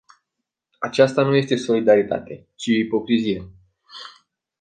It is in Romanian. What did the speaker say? Aceasta nu este solidaritate, ci ipocrizie.